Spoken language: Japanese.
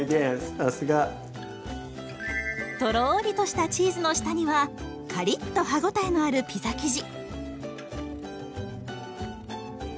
さすが！とろりとしたチーズの下にはカリッと歯応えのあるピザ生地。